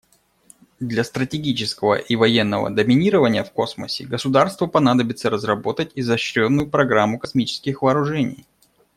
Для стратегического и военного доминирования в космосе государству понадобится разработать изощренную программу космических вооружений.